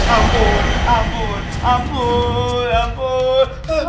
ampun ampun ampun ampun